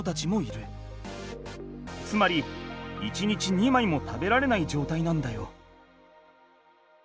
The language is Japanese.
つまり１日２枚も食べられないじょうたいなんだよ。